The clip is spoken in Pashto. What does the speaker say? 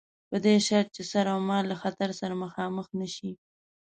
په دې شرط چې سر اومال له خطر سره مخامخ نه شي.